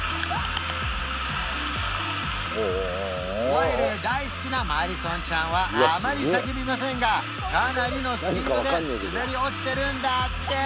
スライダー大好きなマディソンちゃんはあまり叫びませんがかなりのスピードで滑り落ちてるんだって！